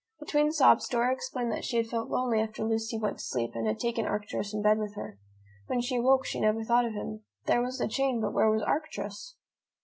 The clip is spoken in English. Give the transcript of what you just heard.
Between sobs, Dora explained that she had felt lonely after Lucy went to sleep and had taken Arcturus into bed with her. When she awoke, she never thought of him. There was the chain, but where was Arcturus?